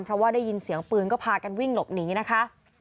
เพราะว่าได้ยินเสียงปืนก็พากันวิ่งหลบหนีนะคะ